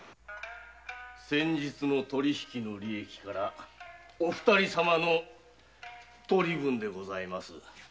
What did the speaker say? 先日の取り引きからお二人様の取り分でございます。